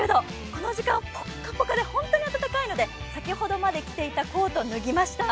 この時間、ぽっかぽかで本当に暖かいので先ほどまで着ていたコートを脱ぎました。